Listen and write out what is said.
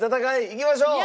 いきましょう！